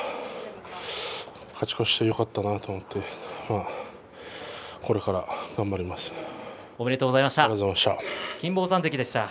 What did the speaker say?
勝ち越してよかったとおめでとうございました。